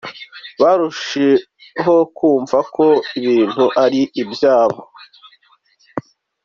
barusheho kumva ko ibintu ari ibyabo.